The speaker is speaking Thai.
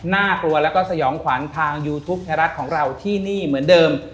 น่ากลัวแล้วก็สยองขวัญทางยูทูปไทยรัฐของเราที่นี่เหมือนเดิม